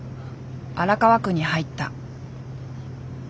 荒川区に入った。